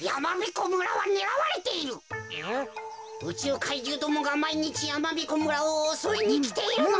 うちゅう怪獣どもがまいにちやまびこ村をおそいにきているのだってか。